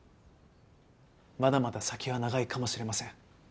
まだまだ先は長いかもしれません。